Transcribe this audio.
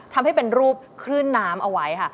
ทำให้เป็นรูปคลื่นน้ำเอาไว้ค่ะ